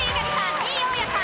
２位大家さん。